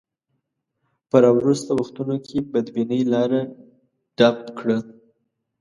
په راوروسته وختونو کې بدبینۍ لاره ډب کړه.